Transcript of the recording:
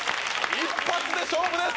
一発で勝負です